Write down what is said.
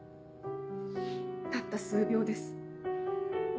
たった数秒です。